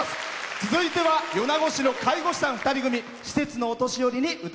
続いては米子市の介護士さん２人組。